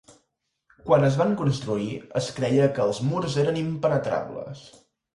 Quan es van construir, es creia que els murs eren impenetrables.